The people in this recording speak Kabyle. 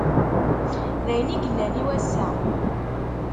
D ayen i yellan i wass-a.